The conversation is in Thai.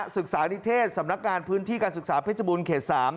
ศึกษานิเทศสำนักงานพื้นที่การศึกษาเพชรบูรณเขต๓